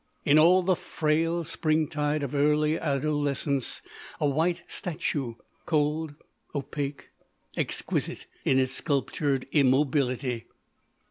—in all the frail springtide of early adolescence—a white statue, cold, opaque, exquisite in its sculptured immobility.